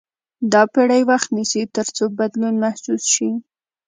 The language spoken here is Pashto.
دا پېړۍ وخت نیسي تر څو بدلون محسوس شي.